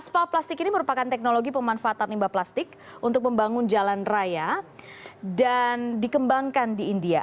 spa plastik ini merupakan teknologi pemanfaatan limbah plastik untuk membangun jalan raya dan dikembangkan di india